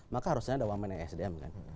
maka harusnya ada wamen yang sdm kan